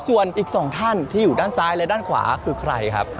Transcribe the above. ส่วนอีก๒ท่านที่อยู่ด้านซ้ายและด้านขวาคือใครครับ